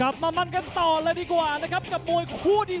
สวัสดีครับทายุรัตน์มวยชายไฟเตอร์